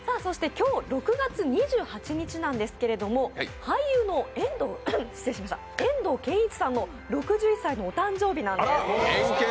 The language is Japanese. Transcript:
今日６月２８日なんですけども俳優の遠藤憲一さんの６１歳のお誕生日なんです。